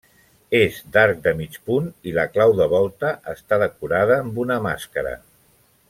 És d'arc de mig punt i la clau de volta està decorada amb una màscara.